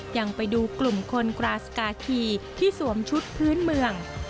ยังไปดูกลุ่มคนกราศกาคีที่สวมชุดพื้นเมือง